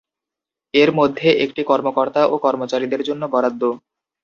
এর মধ্যে একটি কর্মকর্তা ও কর্মচারীদের জন্য বরাদ্দ।